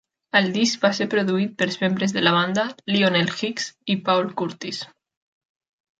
El disc va ser produït pels membres de la banda Lionel Hicks i Paul Curtis.